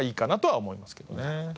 なるほど。